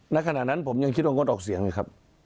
ณขณะนั้นผมยังคิดว่างดออกเสียงเลยครับ